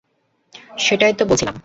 সেটাই ত বলছিলাম।